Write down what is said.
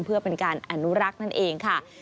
เพื่อเป็นการอนุรักษ์นั่นเองค่ะ